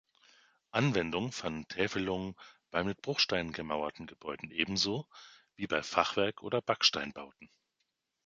Anwendung fanden Täfelungen bei mit Bruchsteinen gemauerten Gebäuden ebenso wie bei Fachwerk- oder Backsteinbauten.